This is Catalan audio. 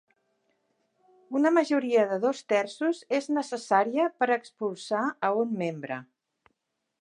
Una majoria de dos terços és necessària per expulsar a un membre.